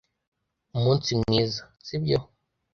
Umunsi mwiza, sibyo?